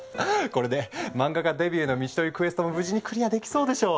これで漫画家デビューへの道というクエストも無事にクリアできそうでしょ。